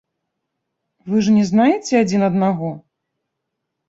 Вы ж не знаеце адзін аднаго?